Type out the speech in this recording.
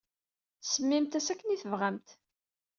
Semmimt-as akken ay tebɣamt.